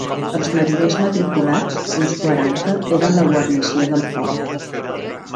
Els mariners matriculats, uns quaranta, eren la guarnició del port.